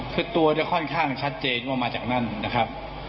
คือตัวจะค่อนข้างชัดเจนว่ามาจากนั่นนะครับ